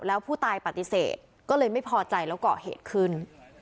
แล้วผู้ตายปฏิเสธก็เลยไม่พอใจแล้วก่อเหตุขึ้น